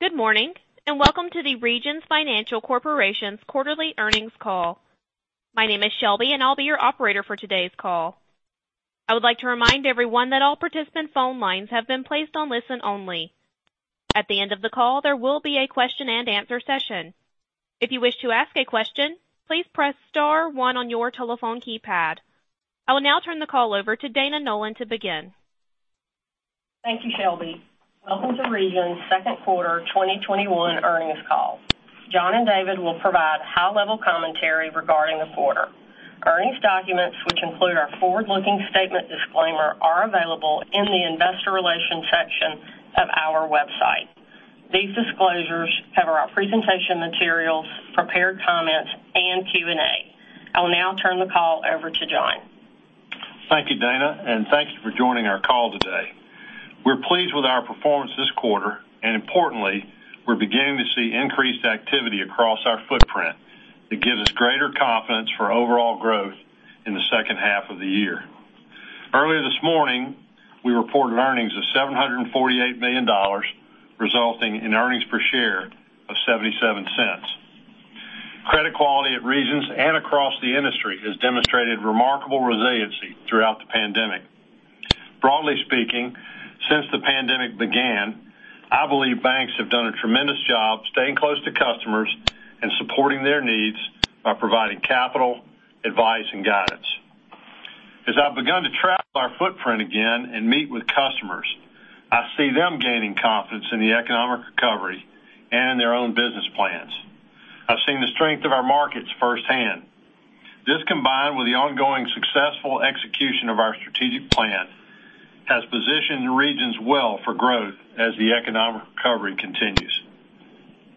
Good morning. Welcome to the Regions Financial Corporation's Quarterly Earnings Call. My name is Shelby, and I'll be your operator for today's call. I would like to remind everyone that all participant phone lines have been placed on listen only. At the end of the call, there will be a question and answer session. If you wish to ask a question, please press star one on your telephone keypad. I will now turn the call over to Dana Nolan to begin. Thank you, Shelby. Welcome to Regions' Second Quarter 2021 Earnings Call. John and David will provide high-level commentary regarding the quarter. Earnings documents, which include our forward-looking statement disclaimer, are available in the investor relations section of our website. These disclosures cover our presentation materials, prepared comments, and Q&A. I will now turn the call over to John. Thank you, Dana, and thanks for joining our call today. We're pleased with our performance this quarter, and importantly, we're beginning to see increased activity across our footprint that gives us greater confidence for overall growth in the second half of the year. Earlier this morning, we reported earnings of $748 million, resulting in earnings per share of $0.77. Credit quality at Regions and across the industry has demonstrated remarkable resiliency throughout the pandemic. Broadly speaking, since the pandemic began, I believe banks have done a tremendous job staying close to customers and supporting their needs by providing capital, advice, and guidance. As I've begun to travel our footprint again and meet with customers, I see them gaining confidence in the economic recovery and in their own business plans. I've seen the strength of our markets firsthand. This, combined with the ongoing successful execution of our strategic plan, has positioned Regions well for growth as the economic recovery continues.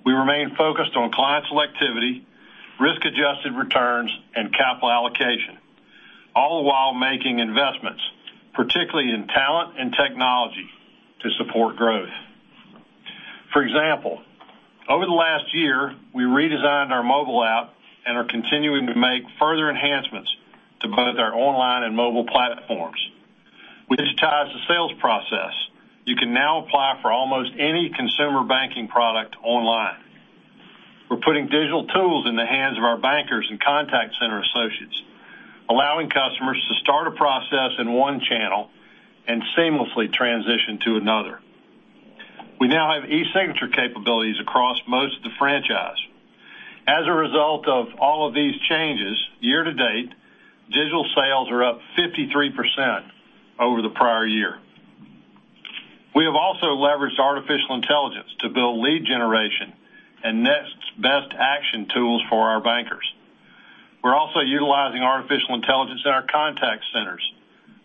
We remain focused on client selectivity, risk-adjusted returns, and capital allocation, all while making investments, particularly in talent and technology to support growth. For example, over the last year, we redesigned our mobile app and are continuing to make further enhancements to both our online and mobile platforms. We digitized the sales process. You can now apply for almost any consumer banking product online. We're putting digital tools in the hands of our bankers and contact center associates, allowing customers to start a process in one channel and seamlessly transition to another. We now have e-signature capabilities across most of the franchise. As a result of all of these changes, year to date, digital sales are up 53% over the prior year. We have also leveraged artificial intelligence to build lead generation and next best action tools for our bankers. We're also utilizing artificial intelligence in our contact centers.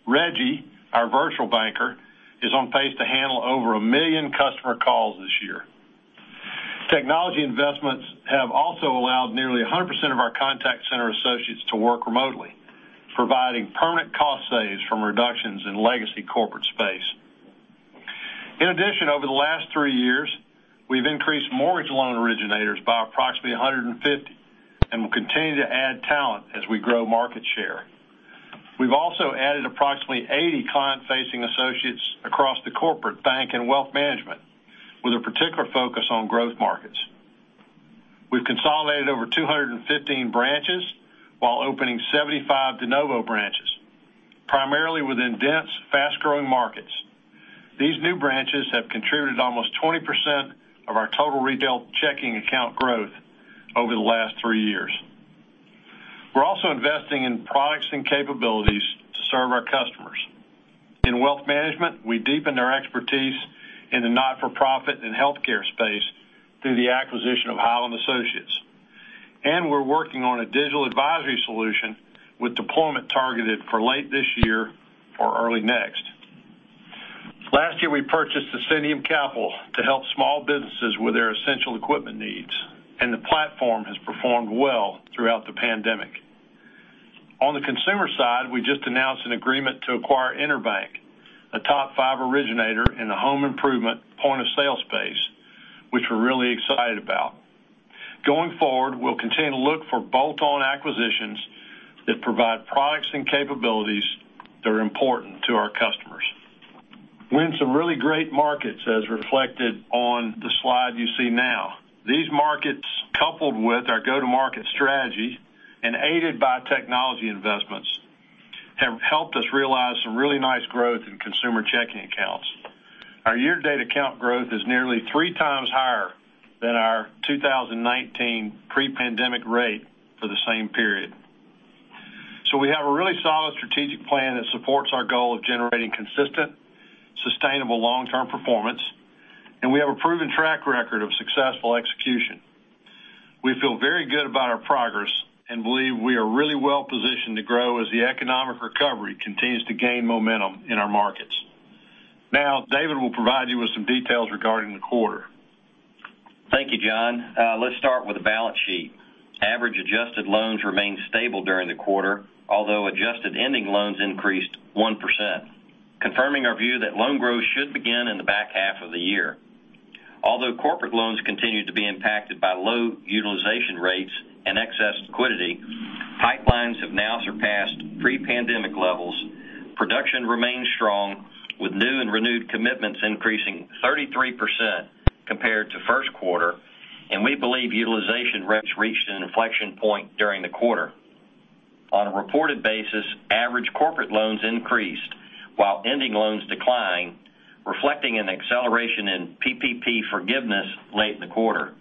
Reggie, our virtual banker, is on pace to handle over 1 million customer calls this year. Technology investments have also allowed nearly 100% of our contact center associates to work remotely, providing permanent cost saves from reductions in legacy corporate space. In addition, over the last three years, we've increased mortgage loan originators by approximately 150, and will continue to add talent as we grow market share. We've also added approximately 80 client-facing associates across the corporate bank and wealth management, with a particular focus on growth markets. We've consolidated over 215 branches while opening 75 de novo branches, primarily within dense, fast-growing markets. These new branches have contributed almost 20% of our total retail checking account growth over the last three years. We're also investing in products and capabilities to serve our customers. In wealth management, we deepened our expertise in the not-for-profit and healthcare space through the acquisition of Highland Associates. We're working on a digital advisory solution with deployment targeted for late this year or early next. Last year, we purchased Ascentium Capital to help small businesses with their essential equipment needs, and the platform has performed well throughout the pandemic. On the consumer side, we just announced an agreement to acquire EnerBank, a top five originator in the home improvement point-of-sale space, which we're really excited about. Going forward, we'll continue to look for bolt-on acquisitions that provide products and capabilities that are important to our customers. We're in some really great markets, as reflected on the slide you see now. These markets, coupled with our go-to-market strategy and aided by technology investments, have helped us realize some really nice growth in consumer checking accounts. Our year-to-date account growth is nearly three times higher than our 2019 pre-pandemic rate for the same period. We have a really solid strategic plan that supports our goal of generating consistent, sustainable long-term performance, and we have a proven track record of successful execution. We feel very good about our progress and believe we are really well positioned to grow as the economic recovery continues to gain momentum in our markets. Now, David will provide you with some details regarding the quarter. Thank you, John. Let's start with the balance sheet. Average adjusted loans remained stable during the quarter, although adjusted ending loans increased 1%, confirming our view that loan growth should begin in the back half of the year. Corporate loans continued to be impacted by low utilization rates and excess liquidity. Loans have now surpassed pre-pandemic levels. Production remains strong, with new and renewed commitments increasing 33% compared to first quarter, and we believe utilization rates reached an inflection point during the quarter. On a reported basis, average corporate loans increased while ending loans declined, reflecting an acceleration in PPP forgiveness late in the quarter.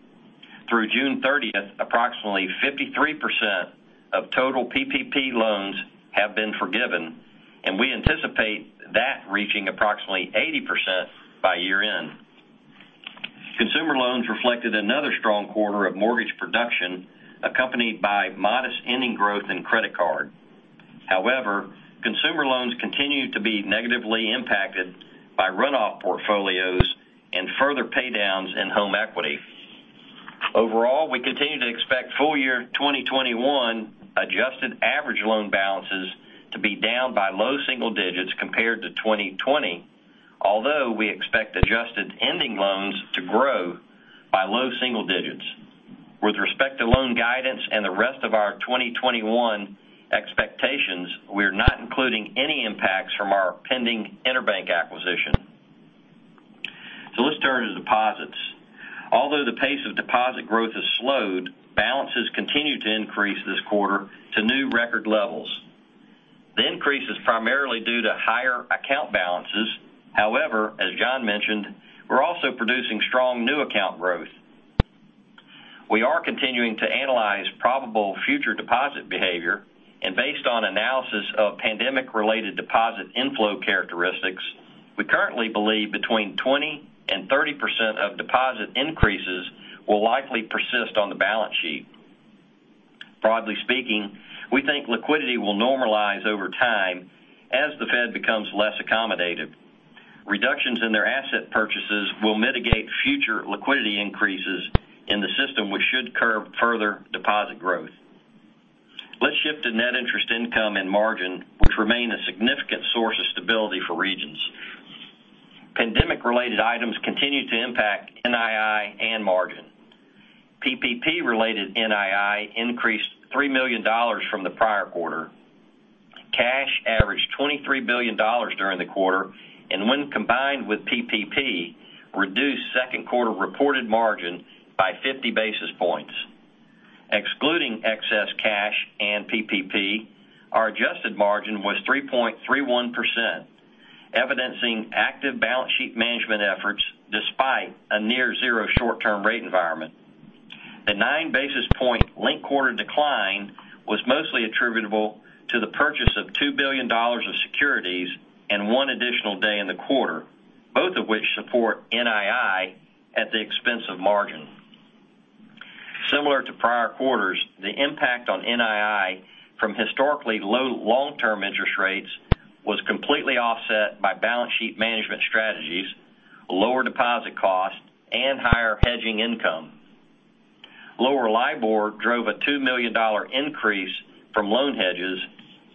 Through June 30th, approximately 53% of total PPP loans have been forgiven, and we anticipate that reaching approximately 80% by year-end. Consumer loans reflected another strong quarter of mortgage production, accompanied by modest ending growth in credit card. However, consumer loans continue to be negatively impacted by runoff portfolios and further paydowns in home equity. Overall, we continue to expect full year 2021 adjusted average loan balances to be down by low single digits compared to 2020. Although we expect adjusted ending loans to grow by low single digits with respect to loan guidance and the rest of our 2021 expectations, we're not including any impacts from our pending EnerBank acquisition. Let's turn to deposits. Although the pace of deposit growth has slowed, balances continued to increase this quarter to new record levels. The increase is primarily due to higher account balances. However, as John mentioned, we're also producing strong new account growth. We are continuing to analyze probable future deposit behavior and based on analysis of pandemic related deposit inflow characteristics, we currently believe between 20% and 30% of deposit increases will likely persist on the balance sheet. Broadly speaking, we think liquidity will normalize over time as the Fed becomes less accommodative. Reductions in their asset purchases will mitigate future liquidity increases in the system, which should curb further deposit growth. Let's shift to net interest income and margin, which remain a significant source of stability for Regions. Pandemic-related items continue to impact NII and margin. PPP-related NII increased $3 million from the prior quarter. Cash averaged $23 billion during the quarter, and when combined with PPP, reduced second quarter reported margin by 50 basis points. Excluding excess cash and PPP, our adjusted margin was 3.31%, evidencing active balance sheet management efforts despite a near-zero short-term rate environment. The nine basis point linked-quarter decline was mostly attributable to the purchase of $2 billion of securities and one additional day in the quarter, both of which support NII at the expense of margin. Similar to prior quarters, the impact on NII from historically low long-term interest rates was completely offset by balance sheet management strategies, lower deposit costs, and higher hedging income. Lower LIBOR drove a $2 million increase from loan hedges,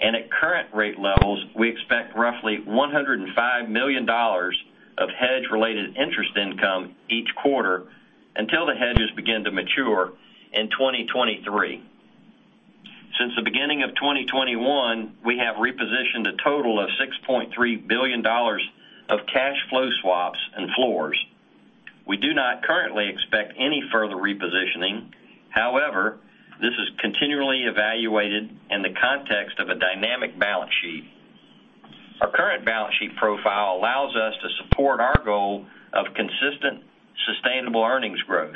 and at current rate levels, we expect roughly $105 million of hedge related interest income each quarter until the hedges begin to mature in 2023. Since the beginning of 2021, we have repositioned a total of $6.3 billion of cash flow swaps and floors. We do not currently expect any further repositioning. This is continually evaluated in the context of a dynamic balance sheet. Our current balance sheet profile allows us to support our goal of consistent, sustainable earnings growth.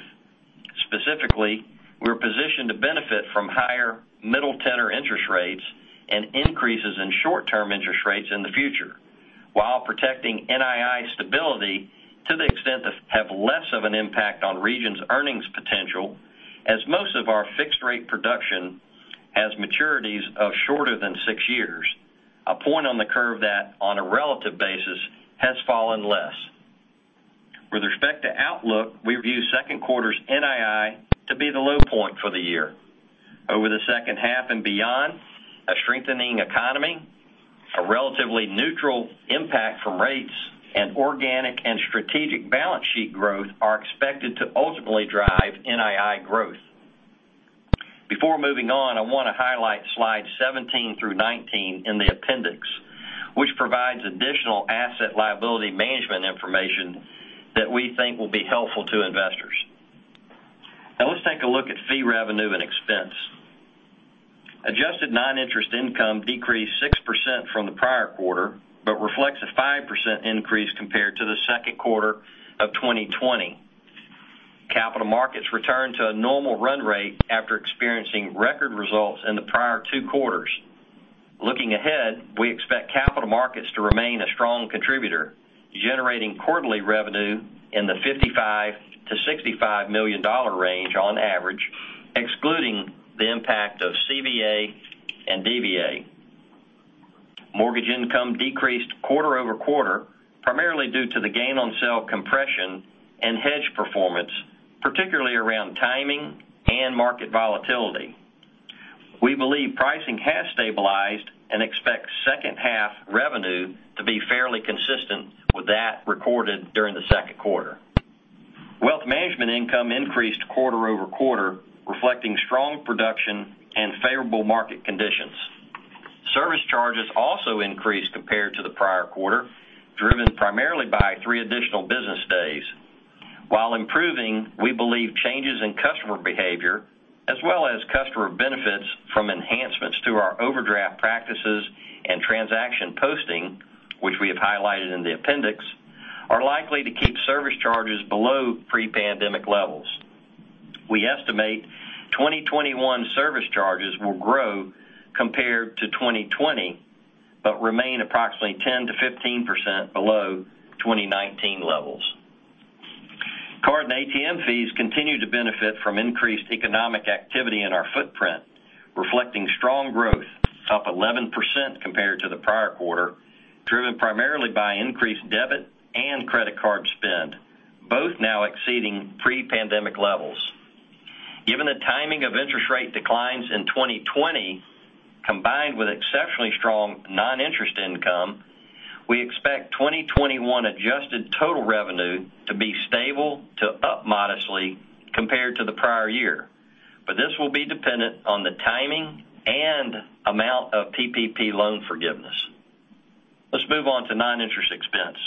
Specifically, we're positioned to benefit from higher middle tenor interest rates and increases in short-term interest rates in the future, while protecting NII stability to the extent to have less of an impact on Regions' earnings potential, as most of our fixed rate production has maturities of shorter than 6 years. A point on the curve that, on a relative basis, has fallen less. With respect to outlook, we view second quarter's NII to be the low point for the year. Over the second half and beyond, a strengthening economy, a relatively neutral impact from rates, and organic and strategic balance sheet growth are expected to ultimately drive NII growth. Before moving on, I want to highlight slides 17 through 19 in the appendix, which provides additional asset liability management information that we think will be helpful to investors. Now let's take a look at fee revenue and expense. Adjusted non-interest income decreased 6% from the prior quarter, but reflects a 5% increase compared to the second quarter of 2020. Capital markets returned to a normal run rate after experiencing record results in the prior two quarters. Looking ahead, we expect capital markets to remain a strong contributor, generating quarterly revenue in the $55 to $65 million range on average, excluding the impact of CVA and DVA. Mortgage income decreased quarter-over-quarter, primarily due to the gain on sale compression and hedge performance, particularly around timing and market volatility. We believe pricing has stabilized and expect second half revenue to be fairly consistent with that recorded during the second quarter. Increased quarter-over-quarter, reflecting strong production and favorable market conditions. Service charges also increased compared to the prior quarter, driven primarily by three additional business days. While improving, we believe changes in customer behavior, as well as customer benefits from enhancements to our overdraft practices and transaction posting, which we have highlighted in the appendix, are likely to keep service charges below pre-pandemic levels. We estimate 2021 service charges will grow compared to 2020, but remain approximately 10%-15% below 2019 levels. Card and ATM fees continue to benefit from increased economic activity in our footprint, reflecting strong growth up 11% compared to the prior quarter, driven primarily by increased debit and credit card spend, both now exceeding pre-pandemic levels. Given the timing of interest rate declines in 2020, combined with exceptionally strong non-interest income, we expect 2021 adjusted total revenue to be stable to up modestly compared to the prior year. This will be dependent on the timing and amount of PPP loan forgiveness. Let's move on to non-interest expense.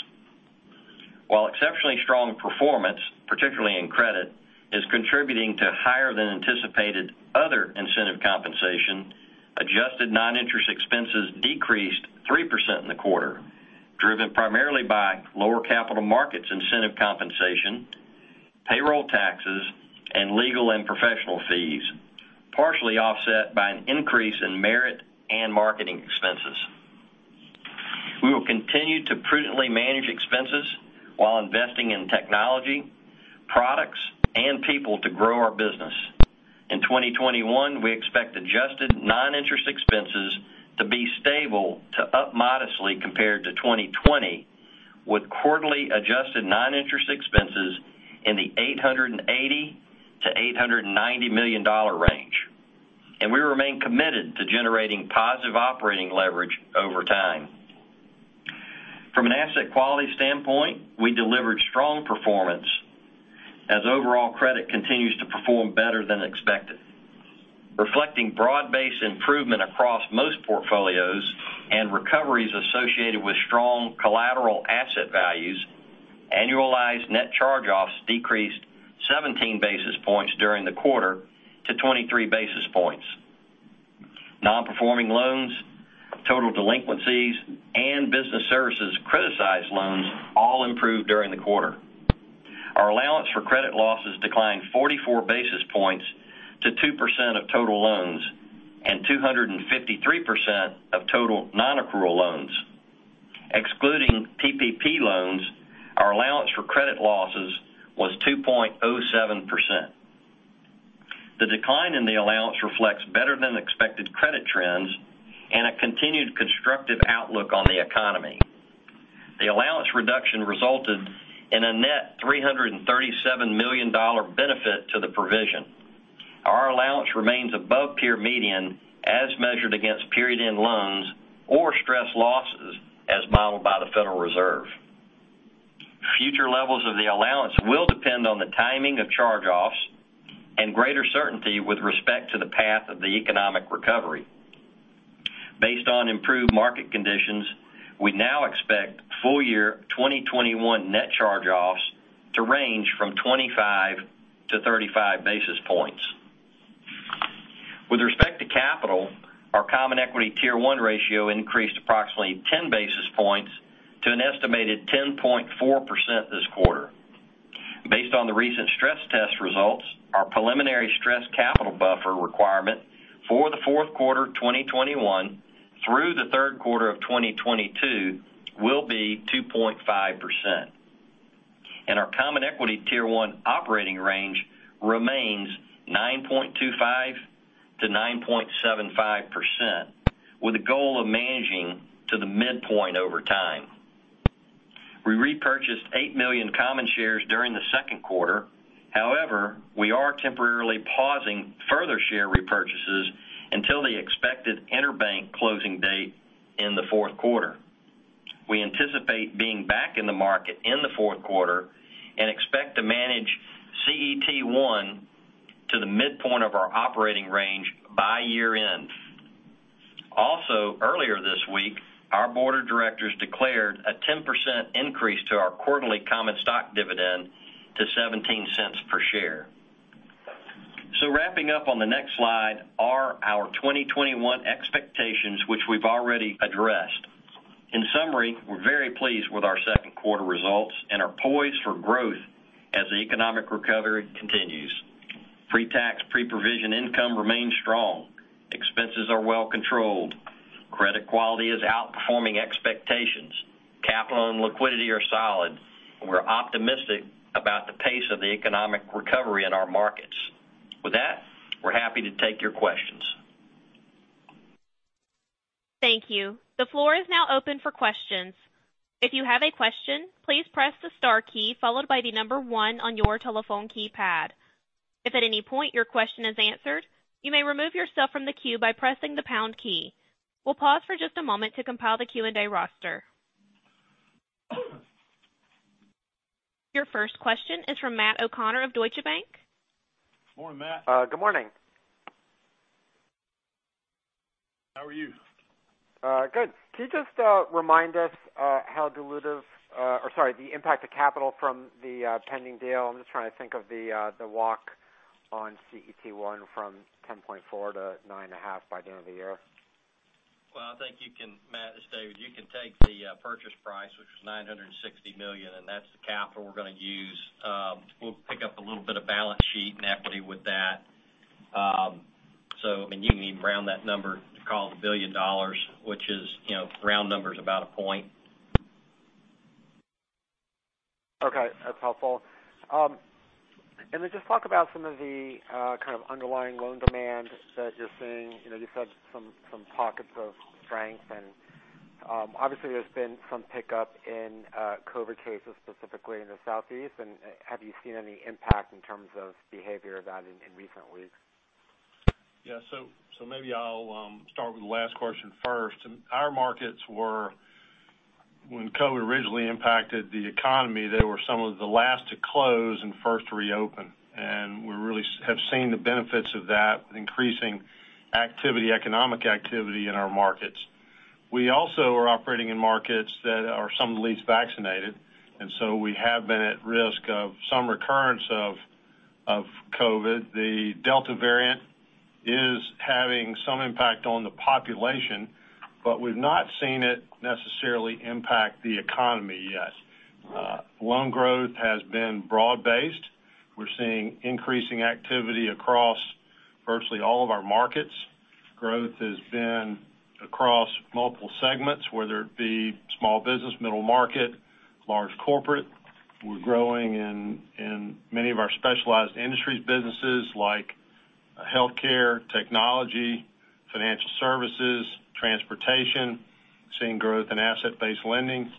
While exceptionally strong performance, particularly in credit, is contributing to higher than anticipated other incentive compensation, adjusted non-interest expenses decreased 3% in the quarter, driven primarily by lower capital markets incentive compensation, payroll taxes, and legal and professional fees, partially offset by an increase in merit and marketing expenses. We will continue to prudently manage expenses while investing in technology, products, and people to grow our business. In 2021, we expect adjusted non-interest expenses to be stable to up modestly compared to 2020, with quarterly adjusted non-interest expenses in the $880 million-$890 million range. We remain committed to generating positive operating leverage over time. From an asset quality standpoint, we delivered strong performance as overall credit continues to perform better than expected. Reflecting broad-based improvement across most portfolios and recoveries associated with strong collateral asset values, annualized net charge-offs decreased 17 basis points during the quarter to 23 basis points. Non-performing loans, total delinquencies, and business services criticized loans all improved during the quarter. Our allowance for credit losses declined 44 basis points to 2% of total loans and 253% of total non-accrual loans. Excluding PPP loans, our allowance for credit losses was 2.07%. The decline in the allowance reflects better than expected credit trends and a continued constructive outlook on the economy. The allowance reduction resulted in a net $337 million benefit to the provision. Our allowance remains above peer median as measured against period-end loans or stress losses as modeled by the Federal Reserve. Future levels of the allowance will depend on the timing of charge-offs and greater certainty with respect to the path of the economic recovery. Based on improved market conditions, we now expect full year 2021 net charge-offs to range from 25-35 basis points. With respect to capital, our Common Equity Tier 1 ratio increased approximately 10 basis points to an estimated 10.4% this quarter. Based on the recent stress test results, our preliminary stress capital buffer requirement for the fourth quarter 2021 through the third quarter of 2022 will be 2.5%. Our Common Equity Tier 1 operating range remains 9.25%-9.75%, with a goal of managing to the midpoint over time. We repurchased 8 million common shares during the second quarter. However, we are temporarily pausing further share repurchases until the expected EnerBank closing date in the fourth quarter. We anticipate being back in the market in the fourth quarter and expect to manage CET1 to the midpoint of our operating range by year-end. Earlier this week, our board of directors declared a 10% increase to our quarterly common stock dividend to $0.17 per share. Wrapping up on the next slide are our 2021 expectations, which we've already addressed. In summary, we're very pleased with our second quarter results and are poised for growth as the economic recovery continues. Pre-tax, pre-provision income remains strong. Expenses are well controlled. Credit quality is outperforming expectations. Capital and liquidity are solid. We're optimistic about the pace of the economic recovery in our markets. With that, we're happy to take your questions. Thank you. The floor is now open for questions. If you have a question, please press the star key followed by one on your telephone keypad. If at any point your question is answered, you may remove yourself from the queue by pressing the pound key. We'll pause for just a moment to compile the Q&A roster. Your first question is from Matt O'Connor of Deutsche Bank. Morning, Matt. Good morning. How are you? Good. Can you just remind us how dilutive the impact of capital from the pending deal? I'm just trying to think of the walk on CET1 from 10.4 to 9.5 by the end of the year. Well, I think you can, Matt, it's David. You can take the purchase price, which was $960 million, and that's the capital we're going to use. We'll pick up a little bit of balance sheet and equity with that. You can even round that number to call it $1 billion, which is, round numbers, about a point. Okay, that's helpful. Then just talk about some of the kind of underlying loan demand that you're seeing? You said some pockets of strength and obviously there's been some pickup in COVID cases, specifically in the Southeast. Have you seen any impact in terms of behavior of that in recent weeks? Yeah. So Maybe I'll start with the last question first. Our markets were, when COVID originally impacted the economy, they were some of the last to close and first to reopen. We really have seen the benefits of that increasing economic activity in our markets. We also are operating in markets that are some of the least vaccinated, we have been at risk of some recurrence of COVID. The Delta variant is having some impact on the population, we've not seen it necessarily impact the economy yet. Loan growth has been broad based. We're seeing increasing activity across virtually all of our markets. Growth has been across multiple segments, whether it be small business, middle market, large corporate. We're growing in many of our specialized industries businesses like healthcare, technology, financial services, transportation, seeing growth in asset-based lending.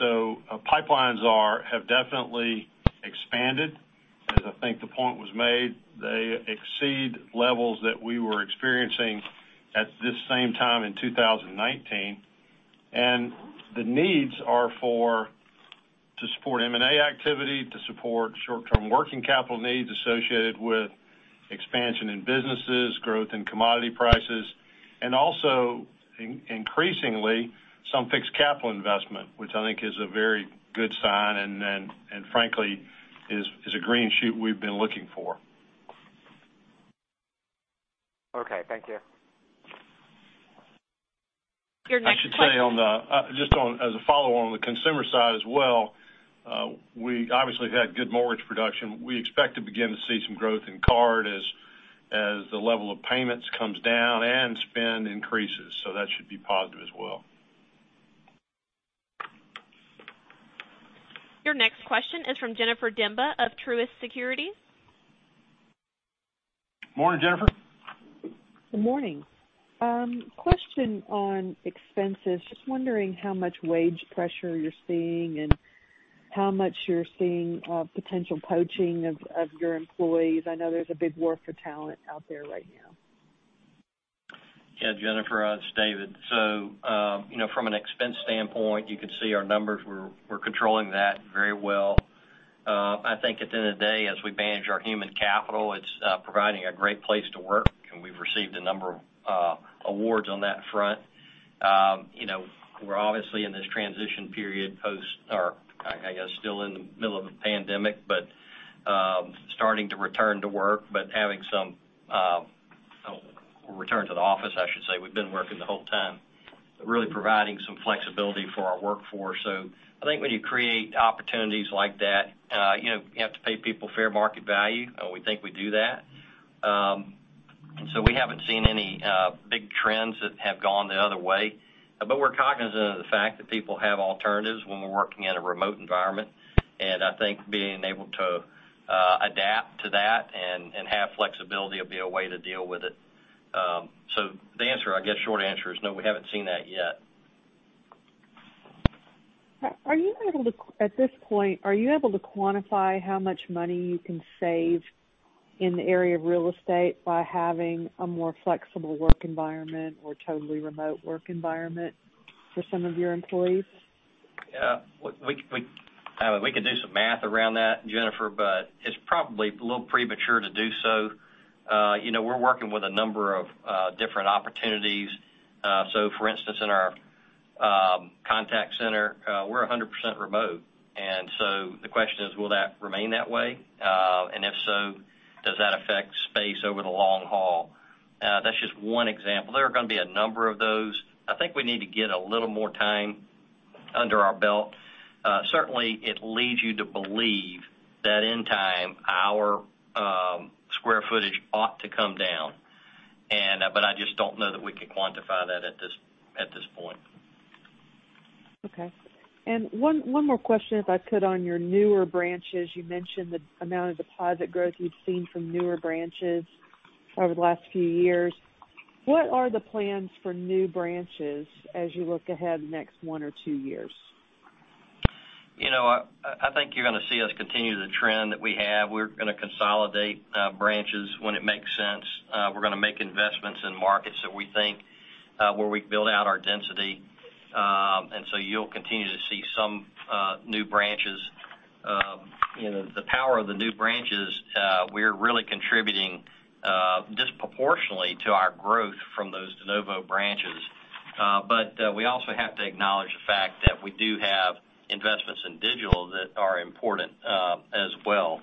Pipelines have definitely expanded. As I think the point was made, they exceed levels that we were experiencing at this same time in 2019. The needs are to support M&A activity, to support short-term working capital needs associated with expansion in businesses, growth in commodity prices, and also increasingly some fixed capital investment, which I think is a very good sign, and frankly, is a green shoot we've been looking for. Okay, thank you. Your next question. I should say, just as a follow on the consumer side as well, we obviously have had good mortgage production. We expect to begin to see some growth in card as the level of payments comes down and spend increases. That should be positive as well. Your next question is from Jennifer Demba of Truist Securities. Morning, Jennifer. Good morning. Question on expenses. Just wondering how much wage pressure you're seeing and how much you're seeing potential poaching of your employees. I know there's a big war for talent out there right now. Jennifer, it's David. From an expense standpoint, you can see our numbers. We're controlling that very well. I think at the end of the day, as we manage our human capital, it's providing a great place to work, and we've received a number of awards on that front. We're obviously in this transition period post, or I guess still in the middle of the pandemic, but starting to return to work, but having some return to the office, I should say. We've been working the whole time, really providing some flexibility for our workforce. I think when you create opportunities like that you have to pay people fair market value. We think we do that. We haven't seen any big trends that have gone the other way. We're cognizant of the fact that people have alternatives when we're working in a remote environment. I think being able to adapt to that and have flexibility will be a way to deal with it. The answer, I guess short answer is no, we haven't seen that yet. At this point, are you able to quantify how much money you can save in the area of real estate by having a more flexible work environment or totally remote work environment for some of your employees? We could do some math around that, Jennifer, it's probably a little premature to do so. We're working with a number of different opportunities. For instance, in our contact center, we're 100% remote. The question is, will that remain that way? If so, does that affect space over the long haul? That's just one example. There are going to be a number of those. I think we need to get a little more time under our belt. Certainly it leads you to believe that in time, our square footage ought to come down. I just don't know that we could quantify that at this point. Okay. One more question, if I could, on your newer branches. You mentioned the amount of deposit growth you'd seen from newer branches over the last few years. What are the plans for new branches as you look ahead the next one or two years? I think you're going to see us continue the trend that we have. We're going to consolidate branches when it makes sense. We're going to make investments in markets that we think where we can build out our density. You'll continue to see some new branches. The power of the new branches, we're really contributing disproportionately to our growth from those de novo branches. We also have to acknowledge the fact that we do have investments in digital that are important as well.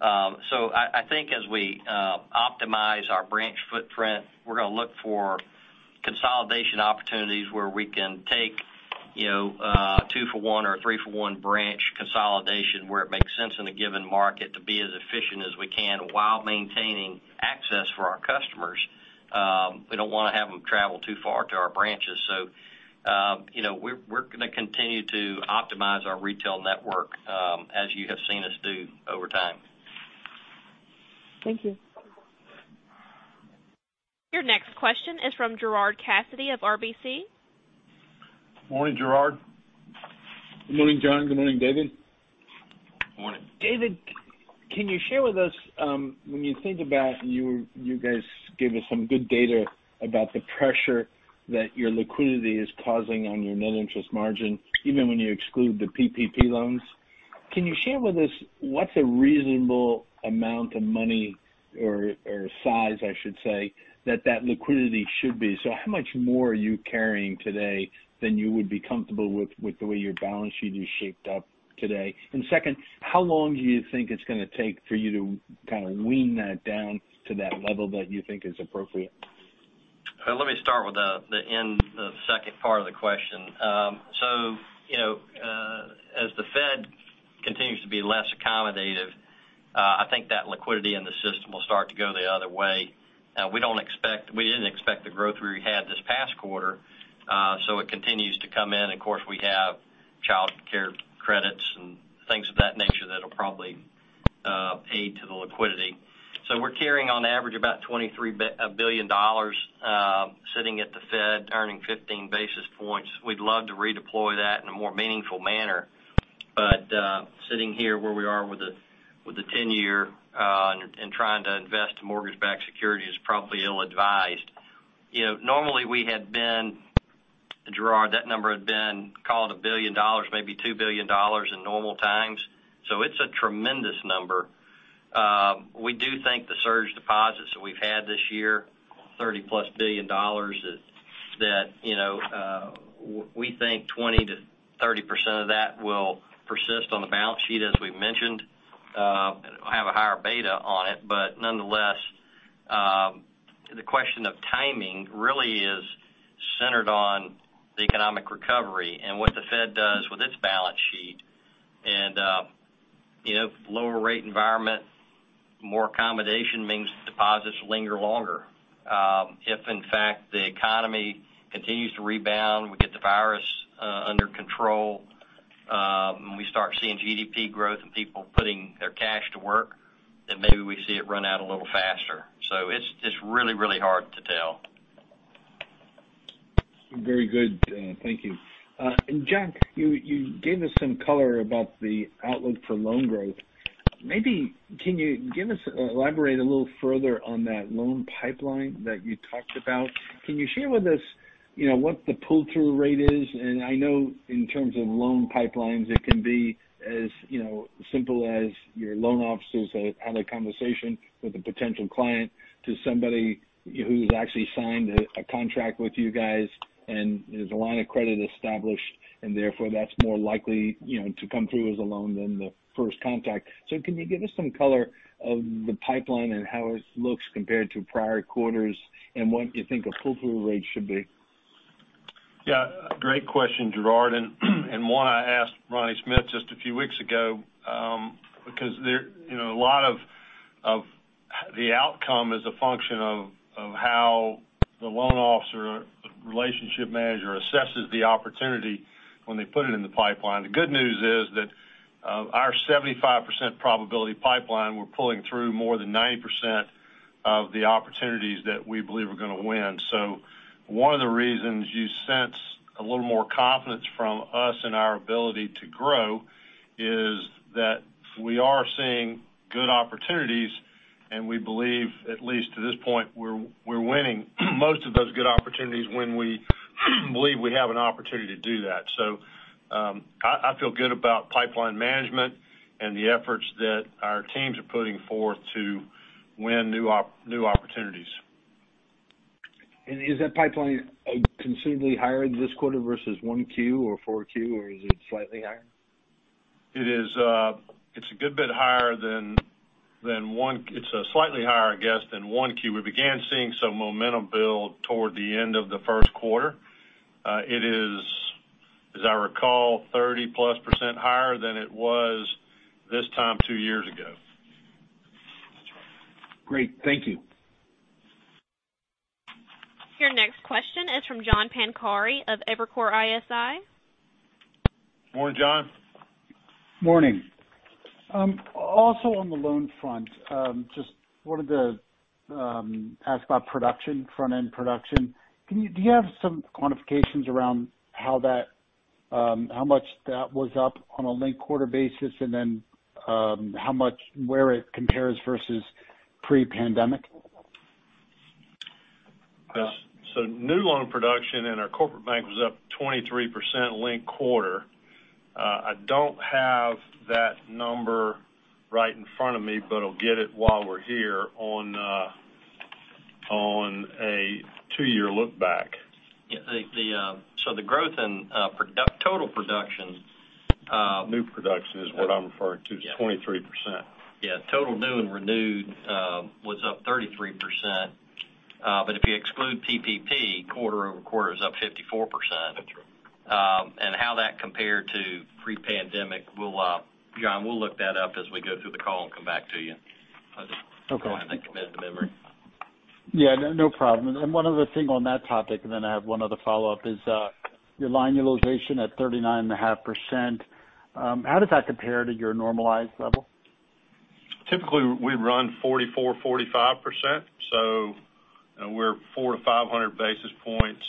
I think as we optimize our branch footprint, we're going to look for consolidation opportunities where we can take a two-for-one or a three-for-one branch consolidation, where it makes sense in a given market to be as efficient as we can while maintaining access for our customers. We don't want to have them travel too far to our branches. We're going to continue to optimize our retail network as you have seen us do over time. Thank you. Your next question is from Gerard Cassidy of RBC. Morning, Gerard. Good morning, John. Good morning, David. Morning. David, can you share with us, when you think about you guys giving some good data about the pressure that your liquidity is causing on your net interest margin, even when you exclude the PPP loans, can you share with us what's a reasonable amount of money, or size I should say, that that liquidity should be? How much more are you carrying today than you would be comfortable with the way your balance sheet is shaped up today? Second, how long do you think it's going to take for you to kind of win that down to that level that you think is appropriate? Let me start with the end, the second part of the question. As the Fed continues to be less accommodative, I think that liquidity in the system will start to go the other way. We didn't expect the growth we had this past quarter, so it continues to come in. Of course, we have child care credits and things of that nature that'll probably aid to the liquidity. We're carrying, on average, about $23 billion sitting at the Fed, earning 15 basis points. We'd love to redeploy that in a more meaningful manner. Sitting here where we are with the 10-year and trying to invest in mortgage-backed securities is probably ill-advised. Normally, Gerard, that number had been called $1 billion, maybe $2 billion in normal times. It's a tremendous number. We do think the surge deposits that we've had this year, $30-plus billion, that we think 20%-30% of that will persist on the balance sheet as we mentioned. Nonetheless, the question of timing really is centered on the economic recovery and what the Fed does with its balance sheet. If lower rate environment, more accommodation means deposits linger longer. If, in fact, the economy continues to rebound, we get the virus under control, and we start seeing GDP growth and people putting their cash to work, then maybe we see it run out a little faster. It's really, really hard to tell. Very good. Thank you. John, you gave us some color about the outlook for loan growth. Maybe can you elaborate a little further on that loan pipeline that you talked about? Can you share with us what the pull-through rate is? I know in terms of loan pipelines, it can be as simple as your loan officers had a conversation with a potential client to somebody who's actually signed a contract with you guys, and there's a line of credit established, and therefore that's more likely to come through as a loan than the first contact. Can you give us some color of the pipeline and how it looks compared to prior quarters, and what you think a pull-through rate should be? Yeah. Great question, Gerard, and one I asked Ronnie Smith just a few weeks ago because a lot of the outcome is a function of how the loan officer or relationship manager assesses the opportunity when they put it in the pipeline. The good news is that our 75% probability pipeline, we're pulling through more than 90% of the opportunities that we believe we're going to win. One of the reasons you sense a little more confidence from us in our ability to grow is that we are seeing good opportunities, and we believe, at least to this point, we're winning most of those good opportunities when we believe we have an opportunity to do that. I feel good about pipeline management and the efforts that our teams are putting forth to win new opportunities. Is that pipeline considerably higher this quarter versus 1Q or 4Q, or is it slightly higher? It's a slightly higher guess than 1Q. We began seeing some momentum build toward the end of the first quarter. It is, as I recall, 30-plus % higher than it was this time two years ago. Great. Thank you. Your next question is from John Pancari of Evercore ISI. Morning, John. Morning. Also on the loan front, just wanted to ask about production, front-end production. Do you have some quantifications around how much that was up on a linked quarter basis, and then where it compares versus pre-pandemic? New loan production in our corporate bank was up 23% linked quarter. I don't have that number right in front of me, but I'll get it while we're here on a two-year look back. The growth in total production. New production is what I'm referring to 23% Yeah. Total new and renewed was up 33%, but if you exclude PPP, quarter-over-quarter is up 54%. That's right. How that compared to pre-pandemic, John, we'll look that up as we go through the call and come back to you. Okay. Trying to commit it to memory. Yeah, no problem. One other thing on that topic, and then I have one other follow-up, is your line utilization at 39.5%. How does that compare to your normalized level? Typically, we'd run 44%-45%, so we're 400 to 500 basis points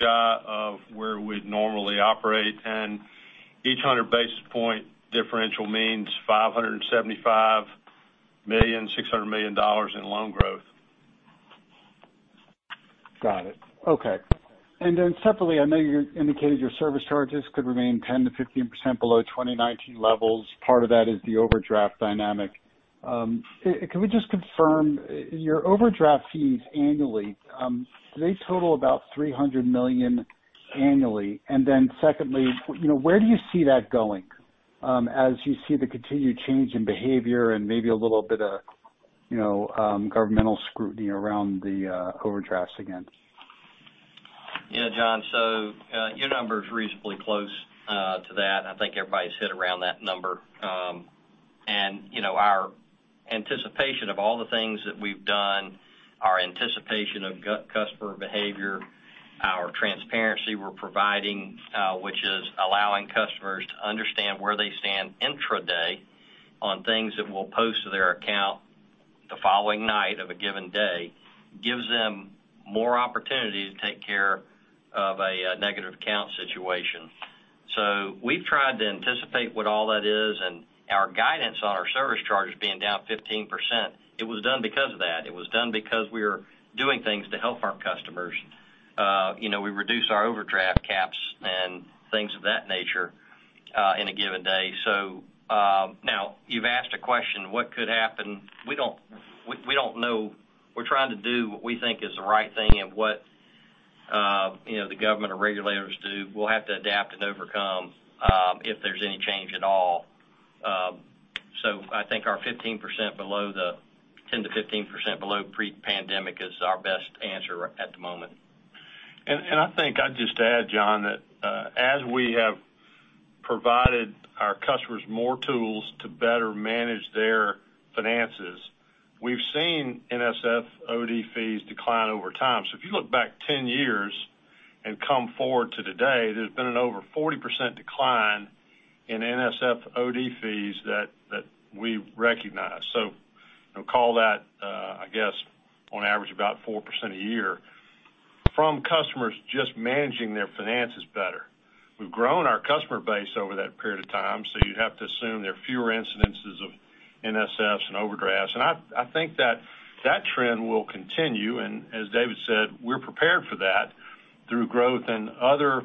shy of where we'd normally operate. Each 100 basis point differential means $575 million-$600 million in loan growth. Got it. Okay. Separately, I know you indicated your service charges could remain 10%-15% below 2019 levels. Part of that is the overdraft dynamic. Can we just confirm, your overdraft fees annually, do they total about $300 million annually? Secondly, where do you see that going as you see the continued change in behavior and maybe a little bit of governmental scrutiny around the overdrafts again? John, your number's reasonably close to that. I think everybody's hit around that number. Our anticipation of all the things that we've done, our anticipation of customer behavior, our transparency we're providing, which is allowing customers to understand where they stand intraday on things that will post to their account the following night of a given day, gives them more opportunity to take care of a negative account situation. We've tried to anticipate what all that is, and our guidance on our service charges being down 15%, it was done because of that. It was done because we're doing things to help our customers. We reduced our overdraft caps and things of that nature in a given day. You've asked a question, what could happen? We don't know. We're trying to do what we think is the right thing, and what the government or regulators do, we'll have to adapt and overcome, if there's any change at all. I think our 10%-15% below pre-pandemic is our best answer at the moment. I think I'd just add, John, that as we have provided our customers more tools to better manage their finances, we've seen NSF OD fees decline over time. If you look back 10 years and come forward to today, there's been an over 40% decline in NSF OD fees that we recognize. Call that, I guess, on average, about 4% a year from customers just managing their finances better. We've grown our customer base over that period of time, so you'd have to assume there are fewer incidences of NSFs and overdrafts. I think that trend will continue. As David said, we're prepared for that through growth in other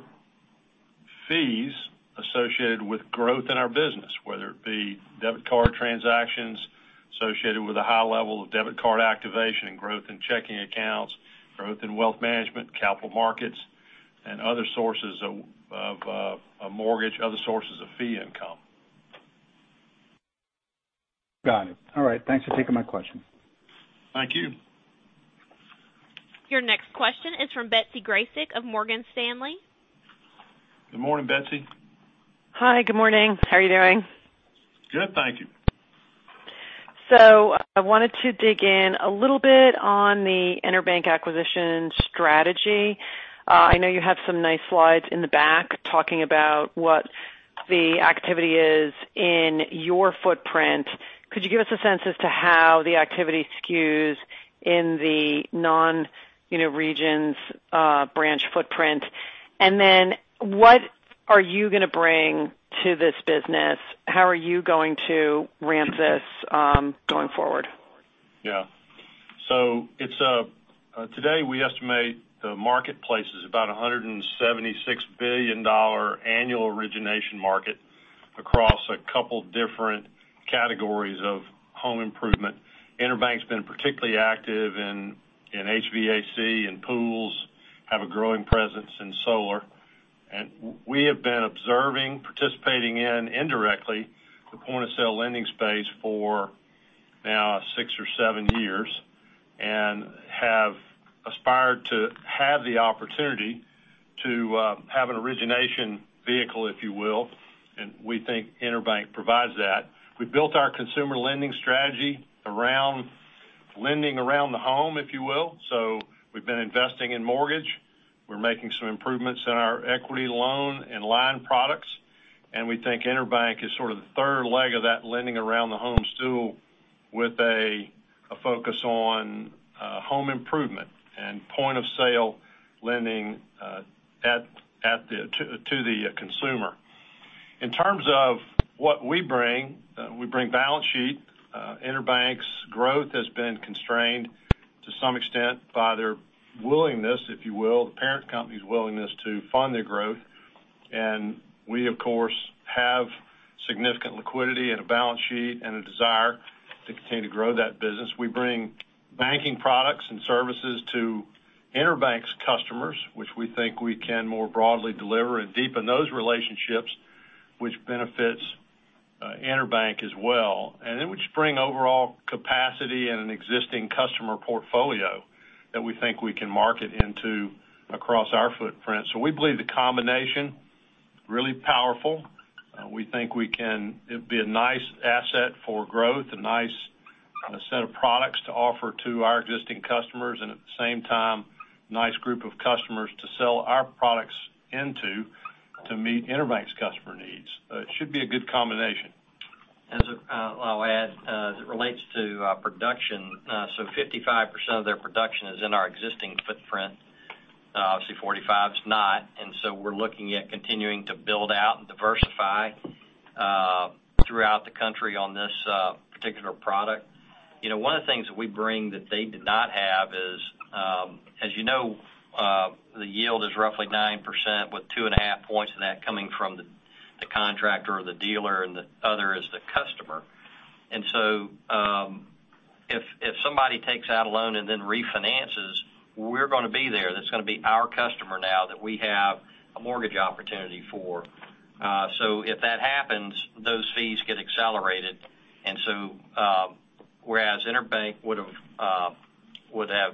fees associated with growth in our business, whether it be debit card transactions associated with a high level of debit card activation and growth in checking accounts, growth in wealth management, capital markets, and other sources of mortgage, other sources of fee income. Got it. All right. Thanks for taking my question. Thank you. Your next question is from Betsy Graseck of Morgan Stanley. Good morning, Betsy. Hi. Good morning. How are you doing? Good, thank you. I wanted to dig in a little bit on the EnerBank acquisition strategy. I know you have some nice slides in the back talking about what the activity is in your footprint. Could you give us a sense as to how the activity skews in the non-Regions branch footprint? What are you going to bring to this business? How are you going to ramp this going forward? Yeah. Today, we estimate the marketplace is about $176 billion annual origination market across a couple different categories of home improvement. EnerBank's been particularly active in HVAC and pools, have a growing presence in solar. We have been observing, participating in indirectly, the point-of-sale lending space for now six or seven years, and have aspired to have the opportunity to have an origination vehicle, if you will, and we think EnerBank provides that. We built our consumer lending strategy around the home, if you will. We've been investing in mortgage. We're making some improvements in our equity loan and line products, and we think EnerBank is sort of the third leg of that lending around the home stool with a focus on home improvement and point-of-sale lending to the consumer. In terms of what we bring, we bring balance sheet. EnerBank's growth has been constrained to some extent by their willingness, if you will, the parent company's willingness to fund their growth. We, of course, have significant liquidity and a balance sheet and a desire to continue to grow that business. We bring banking products and services to EnerBank's customers, which we think we can more broadly deliver and deepen those relationships, which benefits EnerBank as well. Then we just bring overall capacity and an existing customer portfolio that we think we can market into across our footprint. We believe the combination, really powerful. We think it'd be a nice asset for growth, a nice set of products to offer to our existing customers, and at the same time, nice group of customers to sell our products into to meet EnerBank's customer needs. It should be a good combination. I'll add, as it relates to production, 55% of their production is in our existing footprint. Obviously, 45% is not. We're looking at continuing to build out and diversify throughout the country on this particular product. one of the things that we bring that they did not have is, as you know, the yield is roughly 9% with 2.5 points of that coming from the contractor or the dealer, and the other is the customer. If somebody takes out a loan and then refinances, we're going to be there. That's going to be our customer now that we have a mortgage opportunity for. If that happens, those fees get accelerated. Whereas EnerBank would have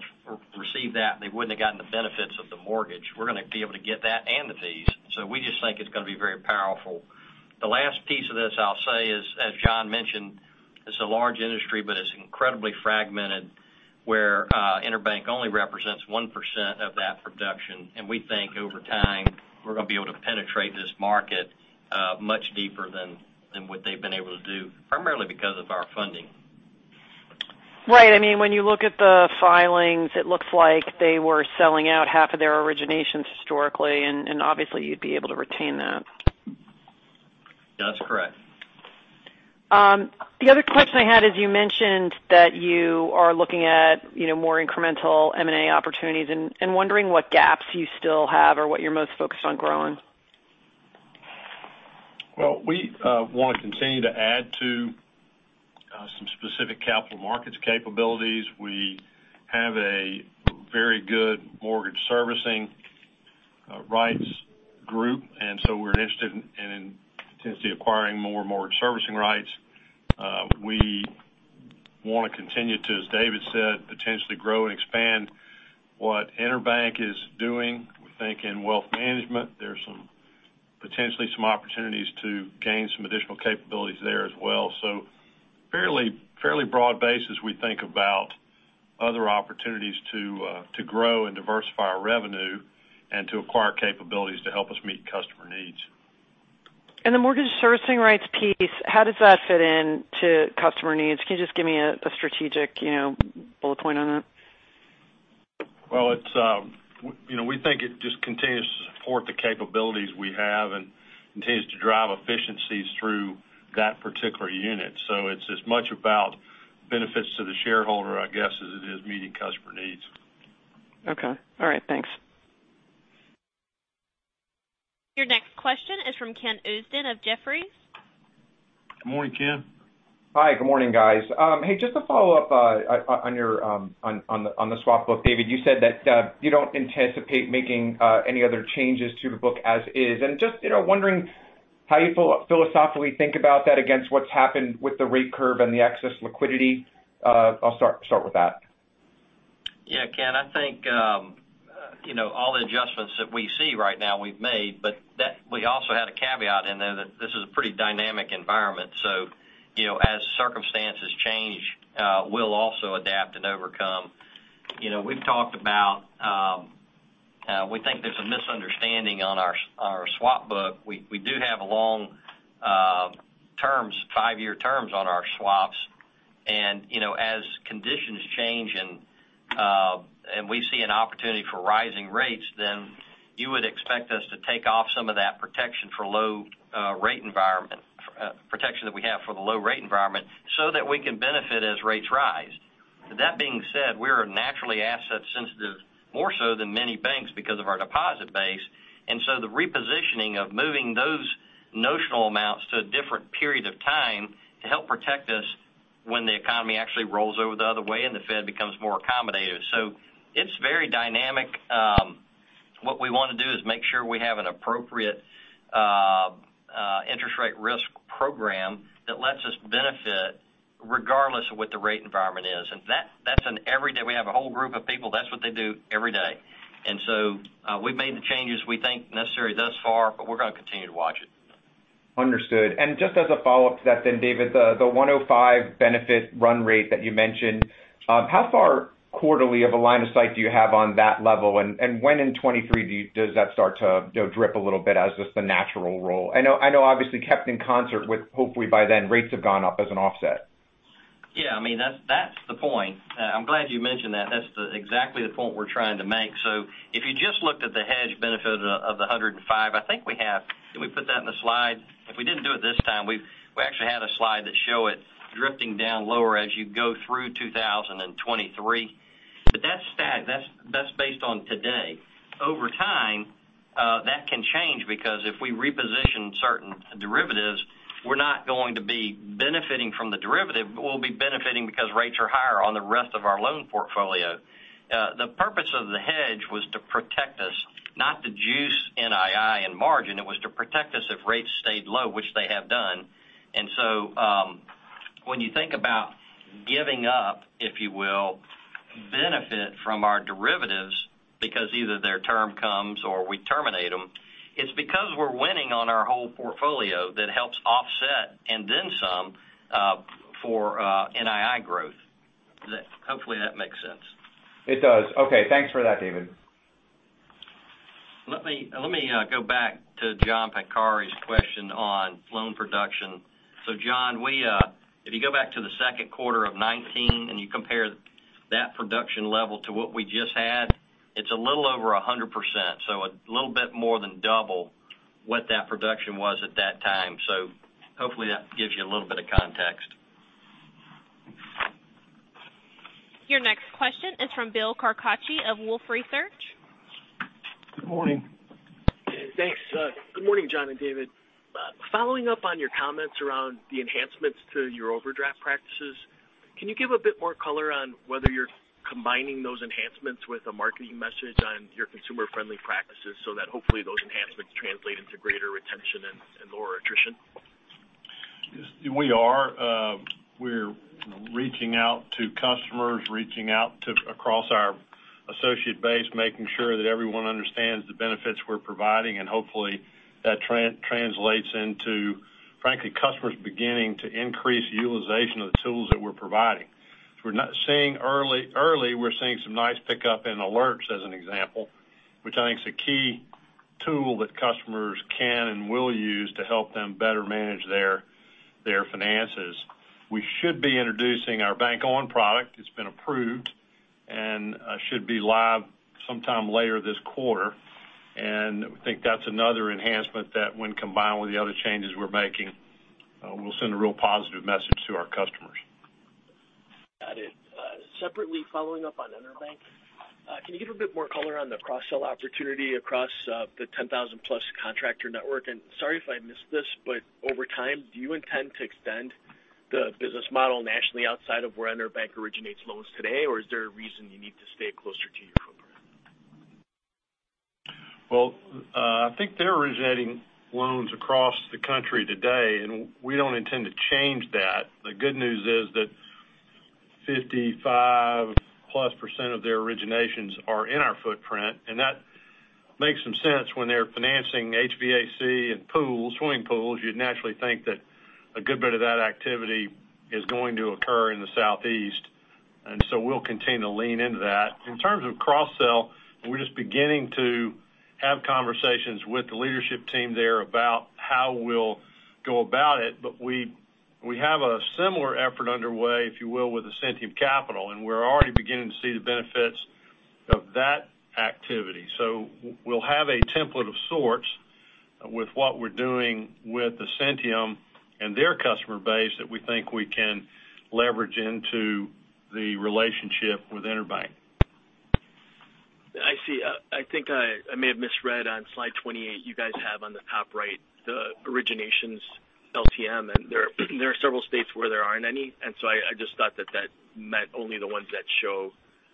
received that, and they wouldn't have gotten the benefits of the mortgage, we're going to be able to get that and the fees. We just think it's going to be very powerful. The last piece of this, I'll say is, as John mentioned, it's a large industry, but it's incredibly fragmented, where EnerBank only represents 1% of that production. We think over time, we're going to be able to penetrate this market much deeper than what they've been able to do, primarily because of our funding. Right. When you look at the filings, it looks like they were selling out half of their originations historically, and obviously, you'd be able to retain that. That's correct. The other question I had is you mentioned that you are looking at more incremental M&A opportunities, and wondering what gaps you still have or what you're most focused on growing. Well, we want to continue to add to some specific capital markets capabilities. We have a very good mortgage servicing rights group, we're interested in potentially acquiring more mortgage servicing rights. We want to continue to, as David said, potentially grow and expand what EnerBank is doing. We think in wealth management, there's potentially some opportunities to gain some additional capabilities there as well. Fairly broad base as we think about other opportunities to grow and diversify our revenue and to acquire capabilities to help us meet customer needs. The mortgage servicing rights piece, how does that fit in to customer needs? Can you just give me a strategic bullet point on that? We think it just continues to support the capabilities we have and continues to drive efficiencies through that particular unit. It's as much about benefits to the shareholder, I guess, as it is meeting customer needs. Okay. All right, thanks. Your next question is from Ken Usdin of Jefferies. Good morning, Ken. Hi, good morning, guys. Hey, just to follow up on the swap book. David, you said that you don't anticipate making any other changes to the book as is. Just wondering how you philosophically think about that against what's happened with the rate curve and the excess liquidity? I'll start with that. Ken, I think all the adjustments that we see right now we've made, but we also had a caveat in there that this is a pretty dynamic environment, so as circumstances change, we'll also adapt and overcome. We've talked about how we think there's a misunderstanding on our swap book. We do have long terms, five-year terms on our swaps. As conditions change and we see an opportunity for rising rates, then you would expect us to take off some of that protection that we have for the low rate environment so that we can benefit as rates rise. That being said, we are naturally asset sensitive, more so than many banks because of our deposit base. The repositioning of moving those notional amounts to a different period of time to help protect us when the economy actually rolls over the other way and the Fed becomes more accommodative. It's very dynamic. What we want to do is make sure we have an appropriate interest rate risk program that lets us benefit regardless of what the rate environment is. That's an everyday. We have a whole group of people, that's what they do every day. We've made the changes we think necessary thus far, but we're going to continue to watch it. Understood. Just as a follow-up to that then, David, the $105 million benefit run rate that you mentioned, how far quarterly of a line of sight do you have on that level? When in 2023 does that start to drip a little bit as just the natural roll? I know obviously kept in concert with, hopefully by then, rates have gone up as an offset. Yeah, that's the point. I'm glad you mentioned that. That's exactly the point we're trying to make. If you just looked at the hedge benefit of the $105 million, did we put that in the slide? If we didn't do it this time, we actually had a slide that show it drifting down lower as you go through 2023. That's based on today. Over time, that can change, because if we reposition certain derivatives, we're not going to be benefiting from the derivative, but we'll be benefiting because rates are higher on the rest of our loan portfolio. The purpose of the hedge was to protect us, not to juice NII and margin. It was to protect us if rates stayed low, which they have done. When you think about giving up, if you will, benefit from our derivatives because either their term comes or we terminate them, it's because we're winning on our whole portfolio that helps offset and then some for NII growth. Hopefully, that makes sense. It does. Okay. Thanks for that, David. Let me go back to John Pancari's question on loan production. John, if you go back to the second quarter of 2019, and you compare that production level to what we just had, it's a little over 100%, so a little bit more than double what that production was at that time. Hopefully, that gives you a little bit of context. Your next question is from Bill Carcache of Wolfe Research. Good morning. Thanks. Good morning, John and David. Following up on your comments around the enhancements to your overdraft practices, can you give a bit more color on whether you're combining those enhancements with a marketing message on your consumer-friendly practices so that hopefully those enhancements translate into greater retention and lower attrition? Yes, we are. We're reaching out to customers, reaching out to across our associate base, making sure that everyone understands the benefits we're providing, and hopefully that translates into, frankly, customers beginning to increase utilization of the tools that we're providing. Early, we're seeing some nice pickup in alerts, as an example, which I think is a key tool that customers can and will use to help them better manage their finances. We should be introducing our Bank On product. It's been approved, should be live sometime later this quarter. I think that's another enhancement that when combined with the other changes we're making, will send a real positive message to our customers. Got it. Separately following up on EnerBank. Can you give a bit more color on the cross-sell opportunity across the 10,000-plus contractor network? Sorry if I missed this, but over time, do you intend to extend the business model nationally outside of where EnerBank originates loans today, or is there a reason you need to stay closer to your footprint? Well, I think they're originating loans across the country today, and we don't intend to change that. The good news is that 55%+ of their originations are in our footprint, and that makes some sense when they're financing HVAC and swimming pools. You'd naturally think that a good bit of that activity is going to occur in the Southeast. We'll continue to lean into that. In terms of cross-sell, we're just beginning to have conversations with the leadership team there about how we'll go about it. We have a similar effort underway, if you will, with Ascentium Capital, and we're already beginning to see the benefits of that activity. We'll have a template of sorts with what we're doing with Ascentium and their customer base that we think we can leverage into the relationship with EnerBank. I see. I think I may have misread on slide 28. You guys have on the top right, the originations LTM, and there are several states where there aren't any. I just thought that that meant only the ones that show.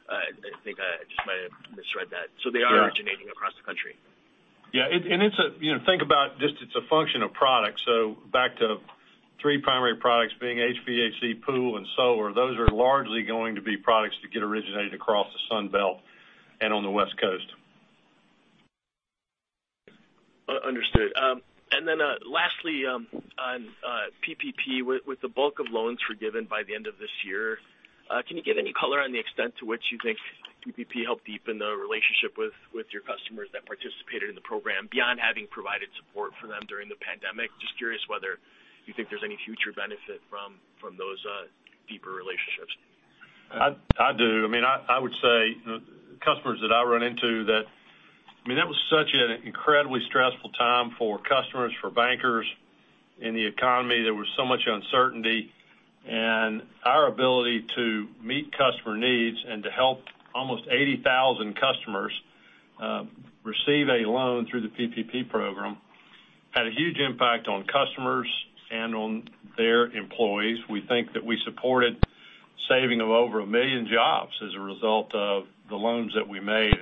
I think I just might have misread that. They are originating across the country. Yeah. Think about just it's a function of product. Back to three primary products being HVAC, pool, and solar. Those are largely going to be products that get originated across the Sun Belt and on the West Coast. Understood. Lastly, on PPP, with the bulk of loans forgiven by the end of this year, can you give any color on the extent to which you think PPP helped deepen the relationship with your customers that participated in the program beyond having provided support for them during the pandemic? Just curious whether you think there's any future benefit from those deeper relationships. I do. I would say, customers that I run into. That was such an incredibly stressful time for customers, for bankers in the economy. There was so much uncertainty. Our ability to meet customer needs and to help almost 80,000 customers receive a loan through the PPP program had a huge impact on customers and on their employees. We think that we supported saving of over a million jobs as a result of the loans that we made.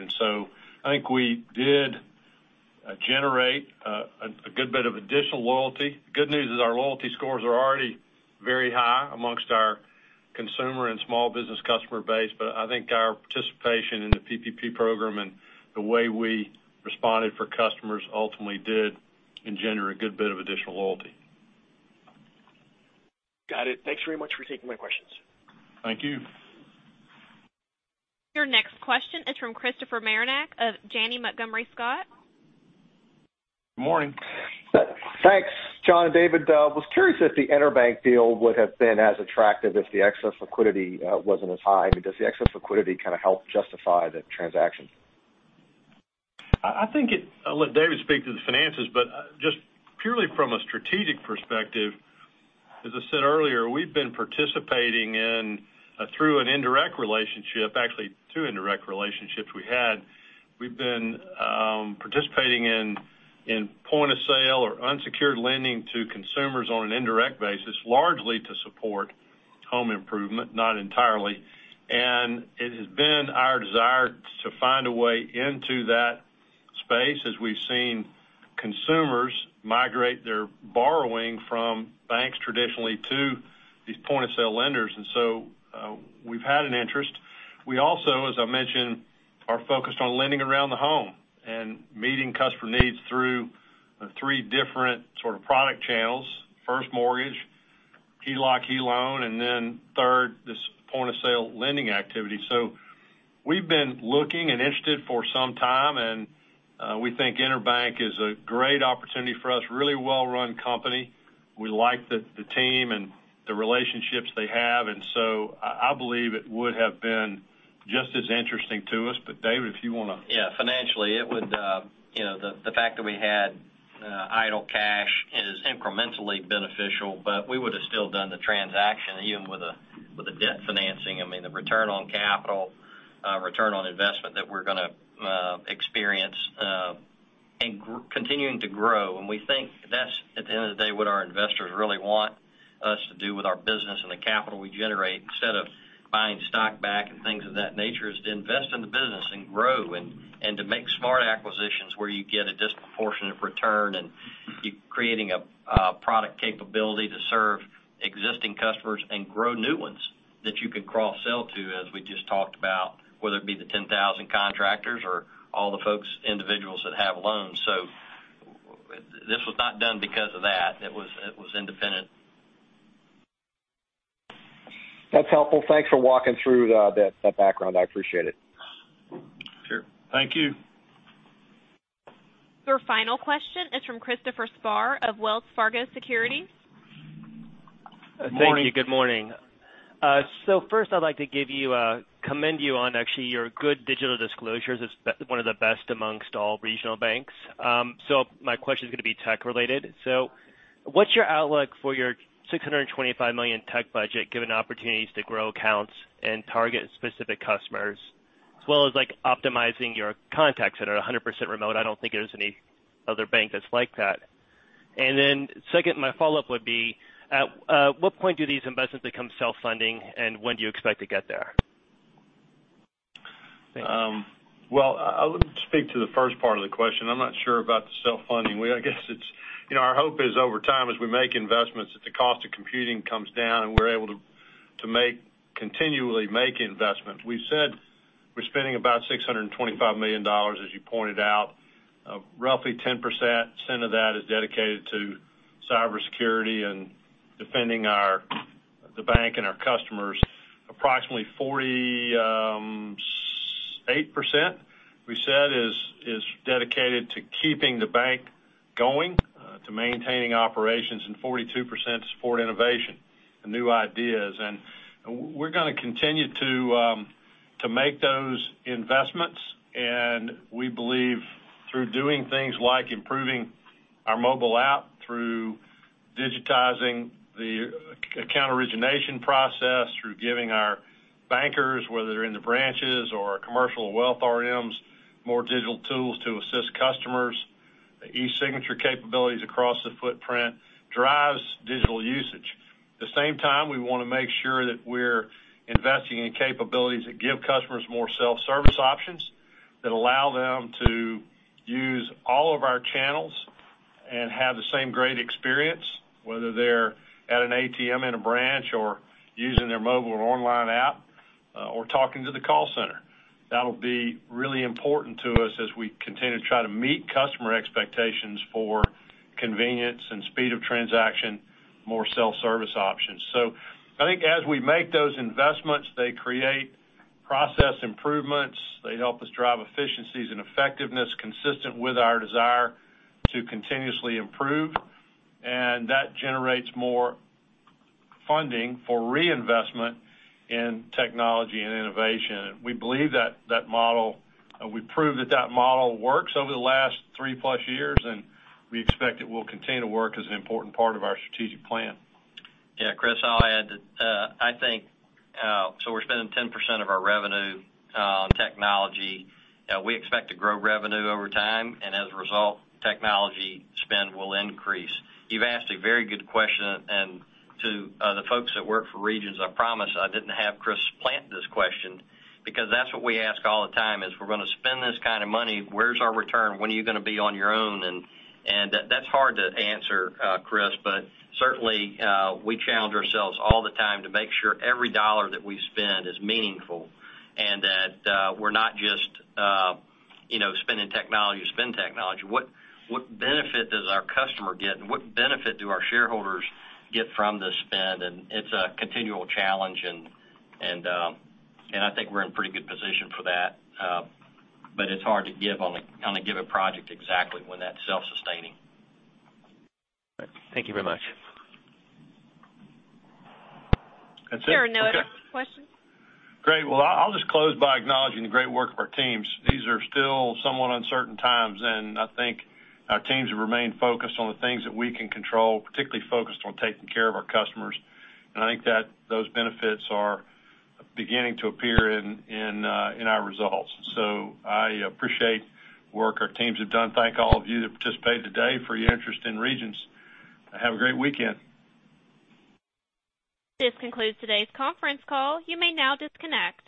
I think we did generate a good bit of additional loyalty. The good news is our loyalty scores are already very high amongst our consumer and small business customer base. I think our participation in the PPP program and the way we responded for customers ultimately did engender a good bit of additional loyalty. Got it. Thanks very much for taking my questions. Thank you. Your next question is from Christopher Marinac of Janney Montgomery Scott. Morning. Thanks, John and David. I was curious if the EnerBank deal would have been as attractive if the excess liquidity wasn't as high. I mean, does the excess liquidity kind of help justify the transaction? I'll let David speak to the finances, but just purely from a strategic perspective, as I said earlier, we've been participating in through an indirect relationship, actually two indirect relationships we had. We've been participating in point-of-sale or unsecured lending to consumers on an indirect basis, largely to support home improvement, not entirely. It has been our desire to find a way into that space, as we've seen consumers migrate their borrowing from banks traditionally to these point-of-sale lenders. We've had an interest. We also, as I mentioned, are focused on lending around the home and meeting customer needs through three different sort of product channels. First mortgage, HELOC, HELoan, and then third, this point-of-sale lending activity. We've been looking and interested for some time, and we think EnerBank is a great opportunity for us. Really well-run company. We like the team and the relationships they have. I believe it would have been just as interesting to us. David, if you want to. Financially, the fact that we had idle cash is incrementally beneficial, but we would've still done the transaction even with a debt financing. I mean, the return on capital, return on investment that we're going to experience and continuing to grow. We think that's, at the end of the day, what our investors really want us to do with our business and the capital we generate. Instead of buying stock back and things of that nature, is to invest in the business and grow and to make smart acquisitions where you get a disproportionate return, and you're creating a product capability to serve existing customers and grow new ones that you can cross-sell to, as we just talked about, whether it be the 10,000 contractors or all the folks, individuals that have loans. This was not done because of that. It was independent. That's helpful. Thanks for walking through that background. I appreciate it. Sure. Thank you. Your final question is from Christopher Spahr of Wells Fargo Securities. Morning. Thank you. Good morning. First I'd like to commend you on actually your good digital disclosures. It's one of the best amongst all regional banks. My question's going to be tech related. What's your outlook for your $625 million tech budget, given opportunities to grow accounts and target specific customers, as well as optimizing your contact center that are 100% remote? I don't think there's any other bank that's like that. Second, my follow-up would be, at what point do these investments become self-funding, and when do you expect to get there? Well, I'll speak to the first part of the question. I'm not sure about the self-funding. Our hope is over time, as we make investments, that the cost of computing comes down, and we're able to continually make investments. We said we're spending about $625 million, as you pointed out. Roughly 10% of that is dedicated to cybersecurity and defending the bank and our customers. Approximately 48%, we said, is dedicated to keeping the bank going, to maintaining operations, and 42% to support innovation and new ideas. We're going to continue to make those investments, and we believe through doing things like improving our mobile app, through digitizing the account origination process, through giving our bankers, whether they're in the branches or our commercial wealth RMs, more digital tools to assist customers, e-signature capabilities across the footprint, drives digital usage. At the same time, we want to make sure that we're investing in capabilities that give customers more self-service options, that allow them to use all of our channels and have the same great experience, whether they're at an ATM in a branch or using their mobile or online app, or talking to the call center. That'll be really important to us as we continue to try to meet customer expectations for convenience and speed of transaction, more self-service options. I think as we make those investments, they create process improvements. They help us drive efficiencies and effectiveness consistent with our desire to continuously improve, and that generates more funding for reinvestment in technology and innovation. We believe that that model, we proved that that model works over the last three plus years, and we expect it will continue to work as an important part of our strategic plan. Yeah, Chris, I'll add that, we're spending 10% of our revenue on technology. We expect to grow revenue over time, as a result, technology spend will increase. You've asked a very good question, to the folks that work for Regions, I promise I didn't have Chris plant this question because that's what we ask all the time, is, we're going to spend this kind of money. Where's our return? When are you going to be on your own? That's hard to answer, Chris. Certainly, we challenge ourselves all the time to make sure every dollar that we spend is meaningful and that we're not just spending technology to spend technology. What benefit does our customer get, and what benefit do our shareholders get from this spend? It's a continual challenge, and I think we're in pretty good position for that. It's hard to give on a given project exactly when that's self-sustaining. Thank you very much. That's it? Okay. There are no other questions. Great. Well, I'll just close by acknowledging the great work of our teams. These are still somewhat uncertain times, and I think our teams have remained focused on the things that we can control, particularly focused on taking care of our customers, and I think that those benefits are beginning to appear in our results. I appreciate work our teams have done. Thank all of you that participated today for your interest in Regions. Have a great weekend. This concludes today's conference call. You may now disconnect.